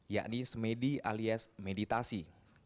yakni smedhi alias meditasi